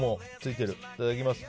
いただきます。